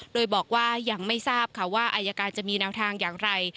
โดยบอกว่ายังไม่ทราบค่ะว่าอายการจะมีแนวทางอย่างไร